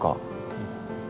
うん。